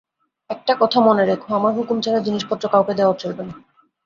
একটা কথা মনে রেখো, আমার হুকুম ছাড়া জিনিসপত্র কাউকে দেওয়া চলবে না।